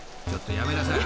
［やめなさい］